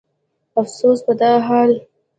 افسوس په دا حال